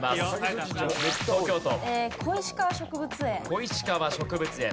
小石川植物園。